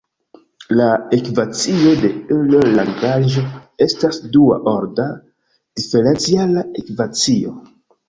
La ekvacio de Euler–Lagrange estas dua-orda diferenciala ekvacio.